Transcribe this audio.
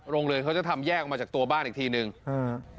โรงเรือนเขาจะทำแยกออกมาจากตัวบ้านอีกทีหนึ่งอืม